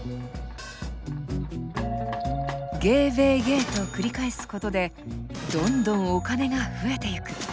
Ｇ−Ｗ−Ｇ’と繰り返すことでどんどんお金が増えてゆく。